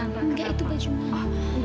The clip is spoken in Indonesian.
gak itu bajunya